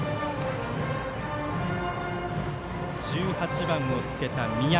１８番をつけた三宅。